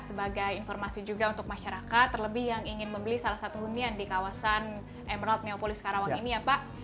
sebagai informasi juga untuk masyarakat terlebih yang ingin membeli salah satu hunian di kawasan emerald neopolis karawang ini ya pak